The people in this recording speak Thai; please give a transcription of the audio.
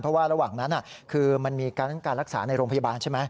เพราะว่าระหว่างนั้นคือมันมีการการรักษาในโรงพยาบาลใช่ไหม